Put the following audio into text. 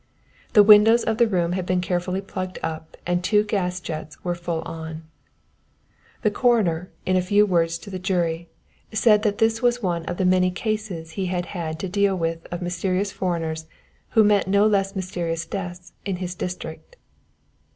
The windows of the room had been carefully plugged up and two gas jets were turned full on._ "_The coroner, in a few words to the jury, said that this was one of the many cases he had had to deal with of mysterious foreigners who met no less mysterious deaths in his district.